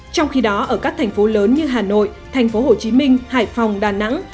trong khi đó ở các thành phố lớn như hà nội thành phố hồ chí minh hải phòng đà nẵng